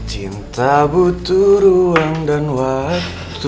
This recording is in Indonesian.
cinta butuh ruang dan waktu